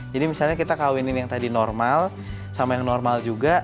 jadi misalnya kita kawinin yang tadi normal sama yang normal juga